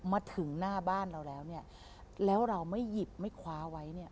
มาถึงหน้าบ้านเราแล้วเนี่ยแล้วเราไม่หยิบไม่คว้าไว้เนี่ย